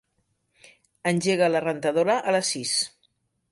Engega la rentadora a les sis.